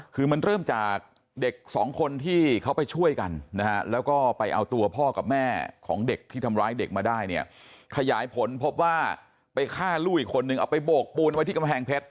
คือมันเริ่มจากเด็กสองคนที่เขาไปช่วยกันนะฮะแล้วก็ไปเอาตัวพ่อกับแม่ของเด็กที่ทำร้ายเด็กมาได้เนี่ยขยายผลพบว่าไปฆ่าลูกอีกคนนึงเอาไปโบกปูนไว้ที่กำแพงเพชร